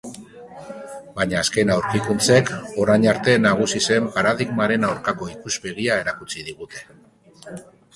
Baina azken aurkikuntzek orain arte nagusi zen paradigmaren aurkako ikuspegia erakutsi digute.